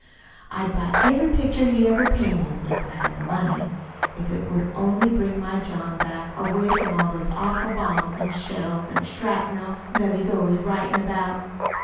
"I'd buy every picture he ever painted (if I had the money), if 't would only bring my John back, away from all those awful bombs an' shells an' shrapnel that he's always writin' about."